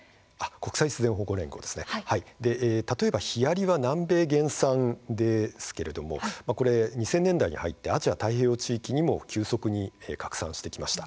例えばヒアリは南米原産ですけれども２０００年代に入ってアジア、太平洋地域にも急速に拡散してきました。